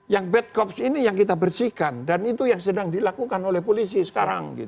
yang bad cops ini yang kita bersihkan dan itu yang sedang dilakukan oleh polisi sekarang